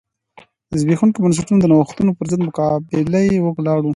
زبېښونکي بنسټونه د نوښتونو پرضد مقابله کې ولاړ و.